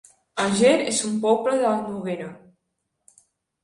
Àger es un poble de la Noguera